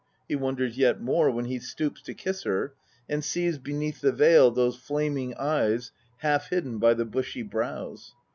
He wonders yet more when he stoops to kiss her, and sees beneath the veil those flaming eyes, half hidden by the bushy brows.